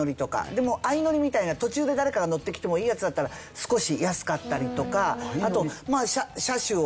で相乗りみたいな途中で誰かが乗ってきてもいいやつだったら少し安かったりとかあと車種を選べますよね。